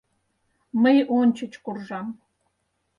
Мый ончыч куржам.